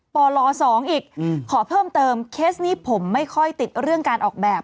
ปล๒อีกขอเพิ่มเติมเคสนี้ผมไม่ค่อยติดเรื่องการออกแบบ